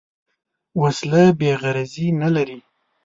وسله بېغرضي نه لري